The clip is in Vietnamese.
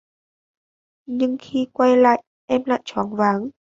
Nhưng khi quay lại em lại choáng váng